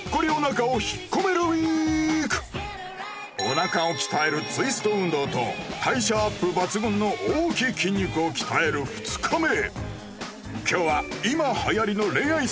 お腹を鍛えるツイスト運動と代謝ＵＰ抜群の大きい筋肉を鍛える２日目